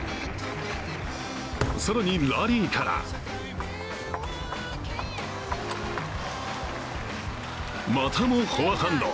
更にラリーからまたもフォアハンド。